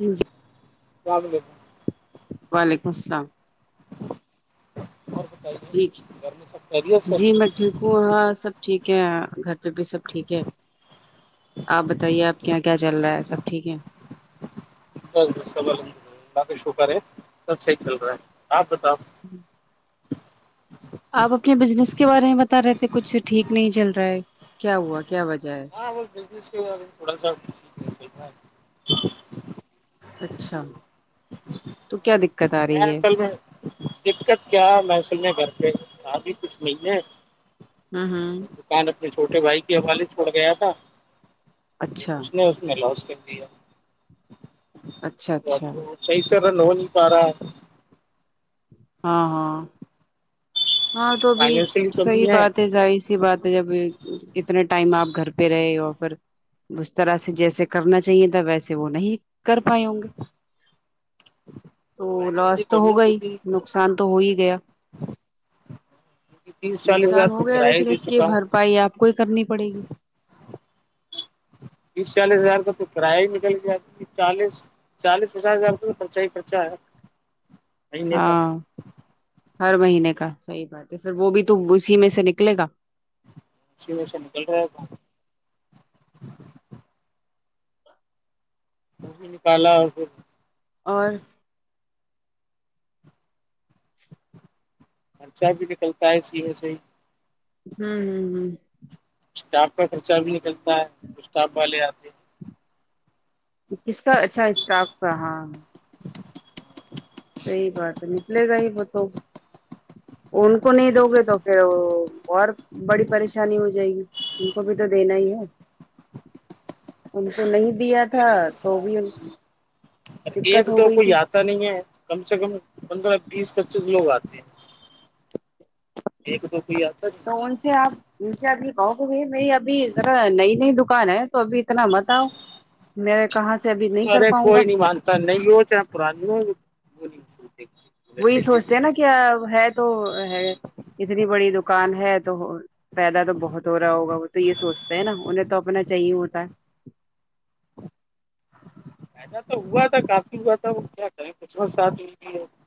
ہوں کیا بج وعلیکم السلام اور بتائیے جی گھر میں سب خیریت سے جی میں ٹھیک وہاں سب ٹھیک ہے گھر پہ بھی سب ٹھیک ہے آپ بتائیے آپ کے یہاں کیا چل رہا ہے سب ٹھیک ہے بس سب الحمدلہ کا شکر ہے سب صحیح چل رہا ہے آپ بتاؤ جی آپ اپنے بزنس کے بارے میں بتا رہے تھے کچھ ٹھیک نہیں چل رہا ہے کیا ہوا کیا وجہ ہے ہاں بزس کے تھوڑا سا اچھا تو کیا د میں چل میں دقت کیا مصل میں گھر پہبھی کچھ نہیں ہے ہاں ہاں دکان اپنے چھوٹے بھائی کے حوالے چھوڑ گیا تھا اچھا اس نے اس نے لاس کر دیا اچھا ا اچھا ہاں سسر ن ہوج پ رہا ہے ہاں ہاں ہاں تو بھی فائنینشلی صحیح کمی بات ہے سظاہ سی بات ہے جب کتنے ٹائم آپ گھر پہ رہے آفر اس طرح سے جیسے کرنا چاہیے تھا ویسے وہ نہیں کر پائے ہوں گے تو لوس فائنینشلی تو ہو کمی گا ہی کیونکہ نقصان تو ہو ہی گیا کیونکہ تیس چالیس ہزار نقصان تو ہو گیا کرایہ لیکن دے اس کی چکا ہوں بھرپائی آپ کو ہی کرنی پڑے گی بییس چالیس ہزار کا تو کرایہ ہی نکل جیا چالیس چالیس پچاس ہزار رپ تو خرچہ ہی خرچا ہے [inaudible] مہینے کا ہاں ہر مہینے کا صحیح بات ہے پھر وہ بھی تو اسی میں سے نکلے گا سینے سے نکل رہے ہے تھا وہ بھی نکالا اور پھر اور خرچہ بھی نکلتا ہے سی وے سے ہی ہوں ہوں ہوں اسٹاف کا خرچہ بھی نکلتا ہے تو اسٹاف والے آتے ہیں کس کا اچھا اسٹاف تھااں سی بات ہے نکلے گا ہی وہ تو ان کو نہیں دو گے تو پھر اور بڑی پریشانی ہو جائے گی ان کو بھی تو دینا ہی ہے ان کو نہیں دیا تھا دین ہی پڑتا تو بھی ہے ایک دقت ہو تو گئی کوئی تھی یاد اا نہیں ہے کم سے کم پندرہ بیس پچیس لوگ آتے ہیں ایک تو کوئی آتاج کون سے آپ میچے ابھی کہو گ ب میری ابھیذرا نئی نئی دکان ہے تو ابھی اتنا مت آؤ میں کہاں سے ابھی نہیں کر پاؤں گا نہی ہو چاہے پرانی ہو وہ وہ نہیں ستے وہی سوچتے ہیں نا کہ ہے تو ہے اتنی بڑی دکان ہے تو پائیدہ تو بہت ہو رہا ہوگا وہ تو یہ سوچتا ہے نا انہیں تو اپنا چاہیے ہوتا ہے ایسا تو ہوا تھا کافی ہوا تھا وہ کیا کریں کچھ و ساتھ ل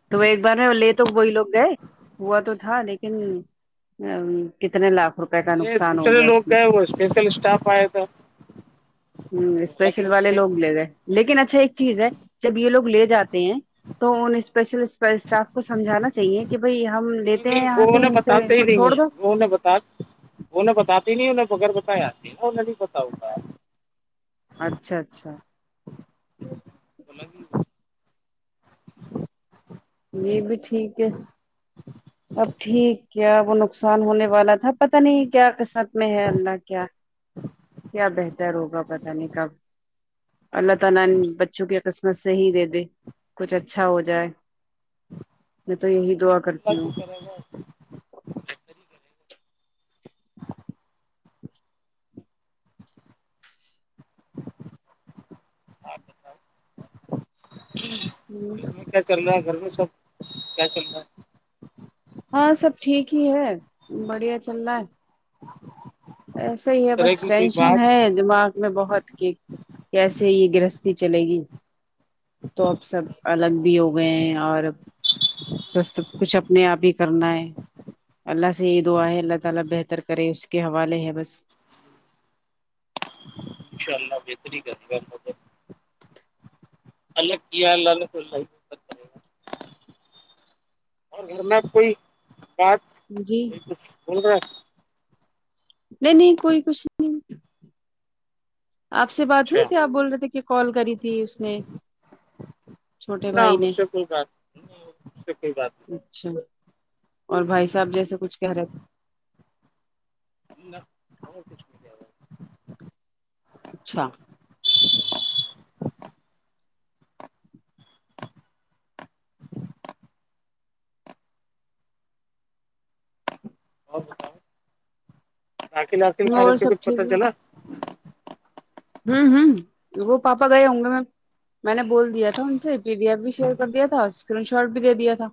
تو وہ ایک بار میں لے تو وہی لوگ گئے ہوا تو تھا لیکن کتنے لاکھ روپئے کا لے نقصان ہو دوسرے گیا لوگ اس میں گئے وہ اسپیشل اسٹاف آیا تھا وہ ہمم الگ اسپیشل والے تھے لوگ لے گئے لیکن اچھا ایک چیز ہے جب یہ لوگ لے جاتے ہیں تو اسپیشل اسٹاف کو سمجھانا چاہیے کہ بھائی ہم نہیں لیتے ہیں نہیں یہاں وہ سے نے ان سے ان بتاتے ہی کو نہیں چھوڑ ہیں دو وہ نے بتا انہیں بتات نہیں انہیں بیر بتائی آتی نا انہ نہیں پتا ہوتا ہے اچھا اچھا یہ بھی ٹھیک ہے اب ٹھیک کیا وہ نقصان ہونے والا تھا پتہ نہیں کیا قسمت میں ہے اللہ کیا کیا بہتر ہوگا پتہ نہیں کب اللہ تعالی ان بچوں کے قسمت صحی ہی دے دے میں تو یہی دعا کرتی اللہ جو ہوں کرے گا بہتر ہی کرے گا آپ بتاؤ [inaudible] ہمم گھر میں کیا چل رہا ہے گھر میں سب کیا چل رہا ہے ہاں سب ٹھیک ہی ہے بڑھیا چل رہا ہے ایسا ہی کسی ہے بس طرح کی کوئی ٹینشن بات ہے دماغ میں بہت کہ کیسے یہ گرہستھی چلے گی تو اب سب الگ بھی ہو گئے ہیں اور تو سب کچھ اپنے آپ ہی کرنا ہے اللہ سے یہ دعا ہے اللہ تعالی بہتر کریں اس کے حوالے ہے بس انشاءاللہ بہتر ہی کرے گا الگ کیا ہے اور گھر میں کوئی بات جی [unintelligible] نہیں نہیں کوئی کچھ نہیں آپ سے بات ہے ہوئی اچھا تھی آپ بول رہے تھے کہ کال کری تھی اس نے چھوٹے نہ بھائی مجھ نے سے کوئی بات نہیں مجھ سے کوئی بات نہیں اچھا اور بھائی صاحب جیسا کچھ کہہ رہے تھے [unintelligible] اچھا اور بتاؤ دل وکل کارے اور سے سب کچھ ٹھیک پتا چلا ہمم ہمم وہ پاپا گئے ہوں گے میں میں نے بول دیا تھا ان سے پیڈیا بھی شیئر کر دیا تھا اور اسکرین شاٹ بھی دے دیا تھا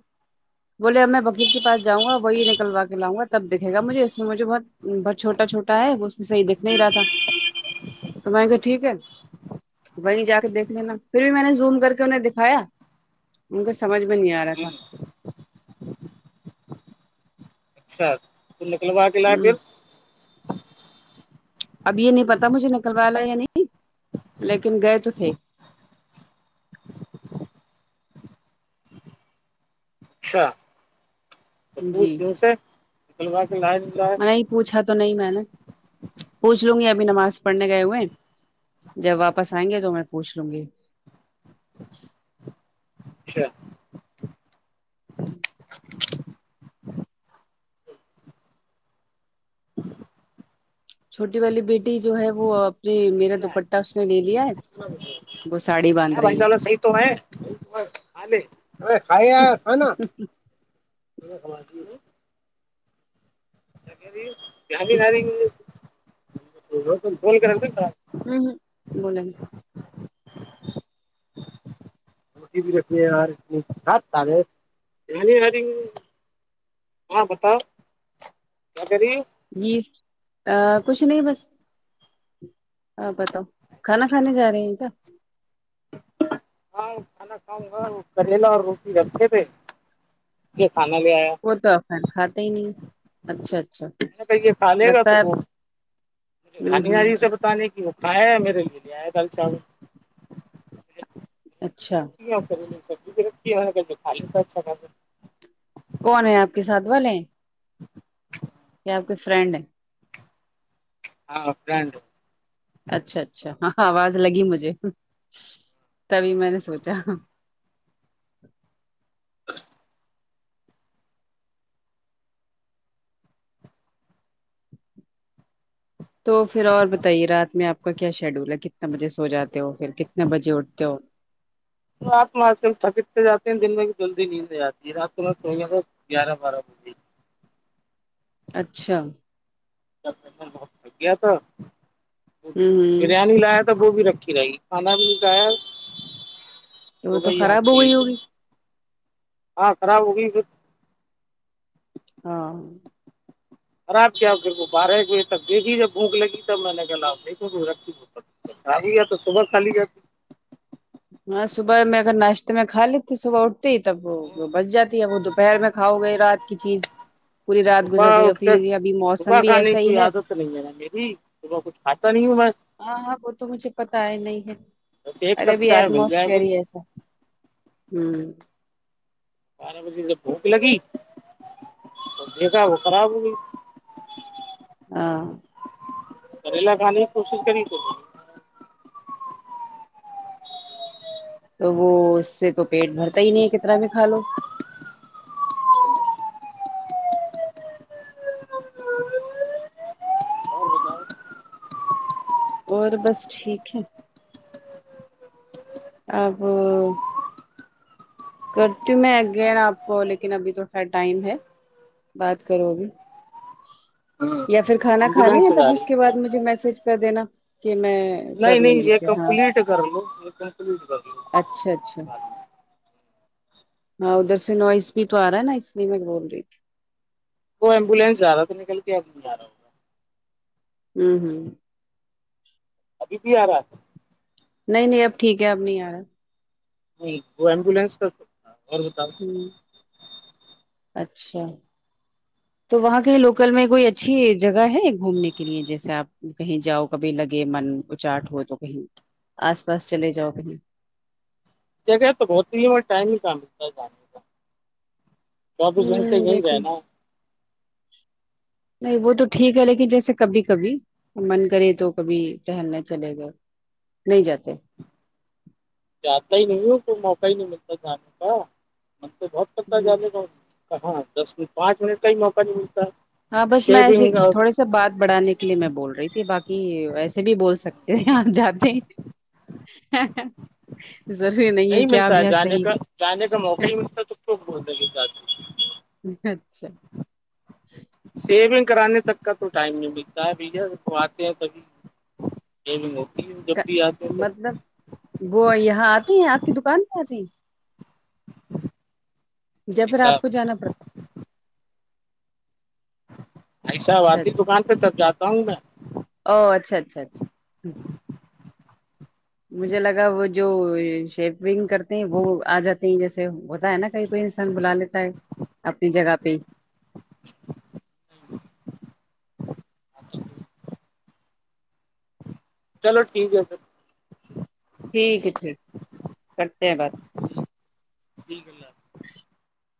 بولے ا میں بکیر کے پا جاں گا وہی نلو کے لاؤںا تب دکھے گاجھے اس میںجھے بہت بس چھوٹا چھوٹا ہے وہ اس میں صحی دکھ نہیں رہا تھا تو میں کہا ٹھیک ہے وہیں جا کے دیکھ لینا پھر بھی میں نے زوم کر کے انہیں دکھایا ان کے سمجھ میں نہیں آ رہا تھا اچھا تو نکلوا کے لایا ہ پھر اب یہ نہیں پتا مجھے نکلوالا یا نہیں لیکن گئے تو تھے اچھا تو جی پوچھتیوں سے نکلوا کے لایا نہیں پوچھا تو نہیں میں نے پوچھ لوں گی ابھی نماز پڑھنے گئے ہوئے جب واپس آئیں گے تو میں پوچھ لوں گی اچھا [inaudible] چھوٹی والی بیٹی جو ہے وہ اپنی میرا کریلا ہے دوپٹہ اس نے لے لیا ہے وہ ساڑی باندھ رہی ہے [unintelligible] [inaudible] [unintelligible] ہمم ہمم بولین [unintelligible] ہاں بتاؤ کیا کہ رہی ہے جی کچھ نہیں بس آپ بتاؤ کھانا کھانے جا رہے ہیں کیا ہاں کھانا کاؤں گا کریلا اور روٹی رکھے تھے یہ کھانا لے آیا وہ تو آپ کھاتے ہی نہیں اچھا اچھا لگتا ہے آپ- ہوں ہوں [unintelligible] [unintelligible] اچھا [unintelligible] کون ہے آپ کے ساتھ والے یا آپ کے فرینڈ ہیں ہاں فرینڈ اچھا اچھا ہاں آواز لگی مجھے تبھی میں نے سوچا [inaudible] تو پھر اور بتائیے رات میں آپ کا کیا شیڈول ہے کتنے بجے سو جاتے ہو پھر کتنے بجے اٹھتے ہو [unintelligible] گیارہ بارہ بجے اچھا ہوں [unintelligible] وہ بھی رکھی رہے گی کھانا بھی نہیں کھایا تو وہ تو بھائی آپ خراب کو ہو گئی لیجیے ہوگی ہاں خراب ہو گئی پھر ہاں خراب کیا پھر کو بارہ ایک بجے تک دیکھی جب بھوک لگی تب میں نے کہا لا ادر رکھلے [unintelligible] ہاں صبح میں اگر ناشتے میں کھا لی صبح اٹھتی تب وہ بچ جاتی ہے وہ دوپہر میں کھاؤ گے رات کی چیز پوری رات گزر صبح گئی اور اٹھ کے پھر ابھی موسم صبح بھی کھانے کی ایسا ہی کوئی ہے عادت نہیں ہے نا میری صبح کچھ کھاتا نہیں ہوں میں ہاں ہاں وہ تو مجھے پتا ہے نہیں ہے بس ایک ارے کپ بھائی چائے مل جائے ایٹموسفیئر بس یہ ہمم بارہ بجے جب بھوک لگی تو دیکھا وہ خراب ہو گئی ہاں کریلا کھانے کی کوشش کری تو تو وہ اس سے تو پیٹ بھرتا ہی نہیں ہے کتنا بھی کھا لو اور بتاؤ اور بس ٹھیک ہے اب کرتی ہوں میں اگین آپ کو لیکن ابھی تو خا ٹائم ہے بات کرو ابھی یا پھر کھانا کھا ایمبولینس لیں سے جا تبھی اس رہی کے بعد ہے مجھے میسج کر دینا کہ میں کر نہیں لوں نہیں گی یہ پھر ہاں کمپلیٹ کر لو یہ کمپلیٹ کر لو اچھا اچھا ہاں ادھر سے نوائز بھی تو آ رہا ہے نا اس لیے میں بول رہی تھی وہ ایمبولینس جا تھا نکل کے آب نہیں جا رہا ہمم ہمم ابھی بھی ا رہا ہے نہیں نہیں اب ٹھیک ہے اب نہیں آ رہا نہیں وہ ایمبولینس کا تو اور بتا ہمم اچھا تو وہاں کے لوکل میں کوئی اچھی جگہ ہے گھومنے کے لیے جیسے آپ کہیں جاؤ کبھی لگے من اچاٹ ہو تو کہیں آس پاس چلے جاؤ کہیں جگہ تو بہتتی ہی ہے اور ٹائم ہی کہ ملتا ہے جانے کا چوبیس گنٹےے ہوں رہا یہ ہے بھی نا نہیں وہ تو ٹھیک ہے لیکن جیسے کبھی کبھی من کرے تو کبھی ٹہلنے چلے گئے نہیں جاتے جاہتا ہی نہیں ہوں کوئی موقع ہی نہیں ملتا جانے کا من تو بہت کرتا ہوں جانے کا کہاں دس منٹ پانچ منٹ کا ہی موقع نہیں ملتا ہاں بس میں ایسے شیونگ تھوڑے نہیں سب بات بڑھانے کے لیے میں بول رہی تھی باقی ویسے بھی بول سکتے ہیں آپ جاتے ضروری نہیں ہے کیا ملتا اب یہ جانے صحیح کا جانے کا موقع ہیں۔ ہی ملتا تو کیوں [unintelligible] اچھا سیونگ کرانے تک کا تو ٹائم نہیں ملتا ہے بھیاب آتے ہیں تبھی شیونگ ہوتی ہے بھی آتے ہیں تب مطلب وہ یہاں آتی ہیں آپ کی دکان میں آتی یا بھائی پھر آپ صاحب کو جانا پڑتا بھائی صاحب اچھا آتی اچھا دکان پہ تب جاتا ہوں میں او اچھ اچھ اچھا اچھا مجھے لگا وہ جو شیپنگ کرتے ہیں وہ آ جاتے ہیں جیسے ہوتا ہے نا کہیں کو انسان بلا لیتا ہے اپنی جگہ پہ ہی چلو ٹھیک ہے پھر ٹھیک ہے ٹھیک کرتے ہیں بات ٹھیک اللہ